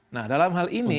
nah dalam hal ini